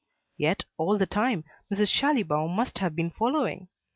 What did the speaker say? Yet, all the time, Mrs. Schallibaum must have been following.